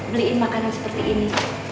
beliin makanan seperti ini